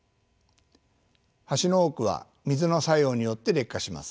橋の多くは水の作用によって劣化します。